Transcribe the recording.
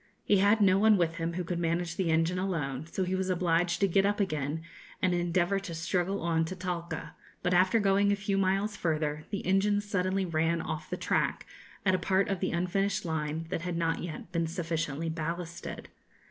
He had no one with him who could manage the engine alone, so he was obliged to get up again, and endeavour to struggle on to Talca; but after going a few miles further, the engine suddenly ran off the track, at a part of the unfinished line that had not yet been sufficiently ballasted.